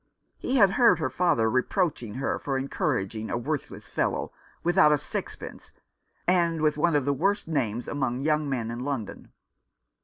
He had heard her father reproaching her for encouraging a worthless fellow, without a six pence, and with one of the worst names among young men in London.